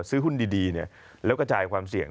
ซื้อหุ้นดีแล้วกระจายความเสี่ยง